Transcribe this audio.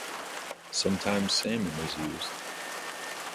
Sometimes salmon is used.